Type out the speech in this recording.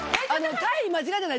単位間違えてない？